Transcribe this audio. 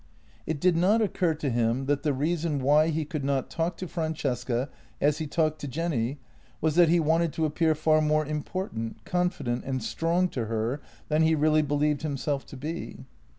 It did not occur to him that the reason why he could not talk to Francesca as he talked to Jenny was that he wanted to appear far more important, confident, and strong to her than he really believed himself to be.